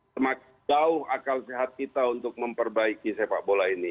semakin jauh akal sehat kita untuk memperbaiki sepak bola ini